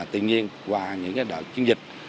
tuy nhiên qua những đợt chiến dịch